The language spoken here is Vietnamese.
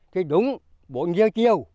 thì đúng bộ nhiều chiều